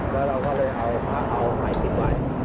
แล้วเราก็เลยเอาไข่ติดไว้